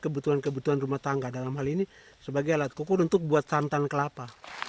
kebutuhan kebutuhan rumah tangga dalam hal ini sebagai alat kukur untuk buat santan kelapa